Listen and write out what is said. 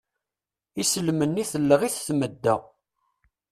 Islem-nni telleɣ-it tmedda.